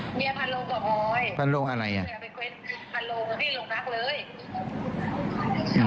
เมียพันลงกลับหมอยพันลงอะไรอ่ะพันลงที่ลงทักเลยอืม